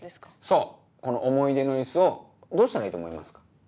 そうこの思い出のイスをどうしたらいいと思いますか？